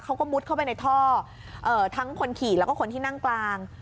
มุดเข้าไปในท่อทั้งคนขี่แล้วก็คนที่นั่งกลาง